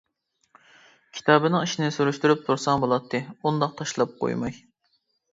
-كىتابىنىڭ ئىشىنى سۈرۈشتۈرۈپ تۇرساڭ بولاتتى، ئۇنداق تاشلاپ قويماي.